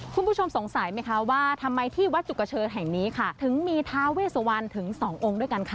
คุณผู้ชมสงสัยไหมคะว่าทำไมที่วัดจุกเชิญแห่งนี้ค่ะถึงมีทาเวสวันถึงสององค์ด้วยกันค่ะ